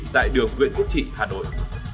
tại đường nguyễn quốc trị hà nội